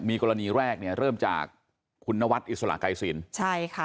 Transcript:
มีกรณีแรกเนี่ยเริ่มจากคุณนวัดอิสระไกรศิลป์ใช่ค่ะ